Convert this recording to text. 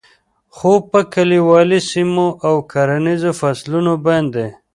خو په کلیوالي سیمو او کرهنیزو فصلونو باندې